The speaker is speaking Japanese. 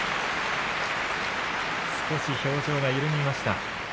少し表情が緩みました。